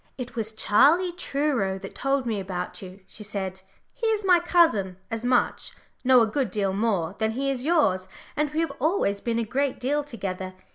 "It was Charlie Truro that told me about you," she said. "He is my cousin as much no, a good deal more than he is yours, and we have always been a great deal together.